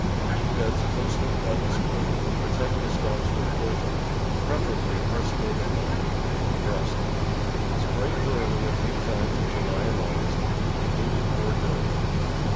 — Keep beds closely cut in spring and protect the stalks with poison, prefer ably arsenate of lead. Rust. — Spray thoroughly a few times in July and August with diluted Bordeaux.